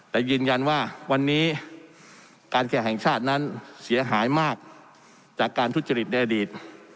แต่ยืนยันว่าวันนี้การแข่งชาตินั้นเสียหายมากจากการทุจริตในอดีต